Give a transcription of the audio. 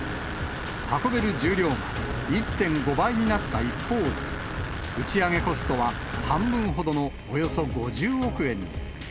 運べる重量が１．５倍になった一方で、打ち上げコストは半分ほどのおよそ５０億円に。